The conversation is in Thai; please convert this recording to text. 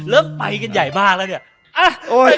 เริ่มไปกันใหญ่ป่ะเนี้ย